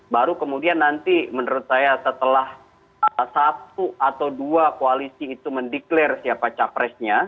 baru kemudian nanti menurut saya setelah satu atau dua koalisi itu mendeklarasi siapa capresnya